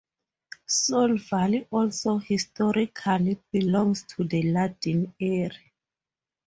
Sole Valley also historically belongs to the Ladin area.